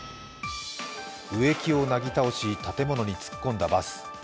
植木をなぎ倒し、建物に突っ込んだバス。